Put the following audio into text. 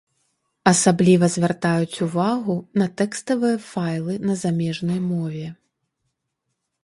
Асабліва звяртаюць увагу на тэкставыя файлы на замежнай мове.